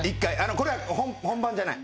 これは本番じゃない。